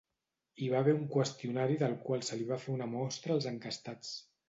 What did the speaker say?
Hi va haver un qüestionari del qual se li va fer una mostra als enquestats.